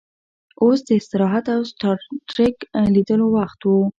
اوس د استراحت او سټار ټریک لیدلو وخت و